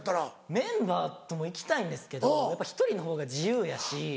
メンバーとも行きたいんですけどやっぱ１人のほうが自由やし。